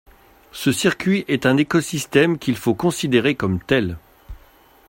Ce circuit est un écosystème qu’il faut considérer comme tel.